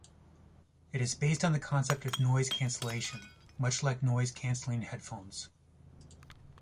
It is based on the concept of noise cancellation, much like noise-cancelling headphones.